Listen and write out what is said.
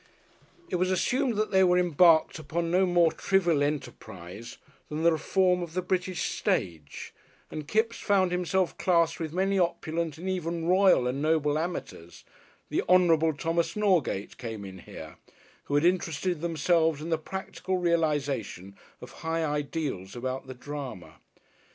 It was assumed that they were embarked upon no more trivial enterprise than the Reform of the British Stage, and Kipps found himself classed with many opulent and even royal and noble amateurs the Honourable Thomas Norgate came in here who had interested themselves in the practical realisation of high ideals about the Drama.